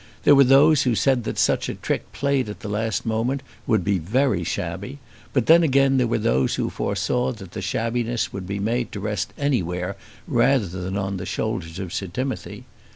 There were those who said that such a trick played at the last moment would be very shabby. But then again there were those who foresaw that the shabbiness would be made to rest anywhere rather than on the shoulders of Sir Timothy.